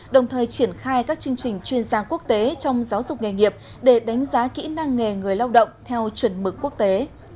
đồng thời triển khai các chương trình chuyên gia quốc tế trong giáo dục nghề nghiệp để đánh giá kỹ năng nghề người lao động theo chuẩn mực quốc tế